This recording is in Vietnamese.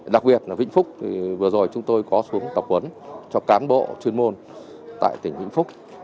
đặc biệt là vĩnh phúc vừa rồi chúng tôi có xuống tập huấn cho cán bộ chuyên môn tại tỉnh vĩnh phúc